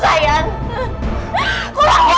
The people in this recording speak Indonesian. setelah ricky b nestall kandunganos